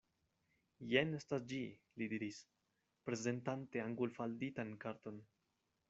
Jen estas ĝi, li diris, prezentante angulfalditan karton.